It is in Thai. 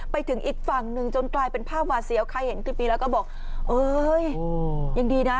ไปถึงอีกฝั่งหนึ่งจนกลายเป็นภาพหวาเสียวใครเห็นคลิปนี้แล้วก็บอกเอ้ยยังดีนะ